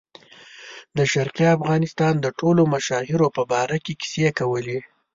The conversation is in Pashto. د شرقي افغانستان د ټولو مشاهیرو په باره کې کیسې کولې.